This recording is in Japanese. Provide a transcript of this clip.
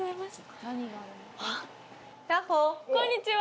こんにちは。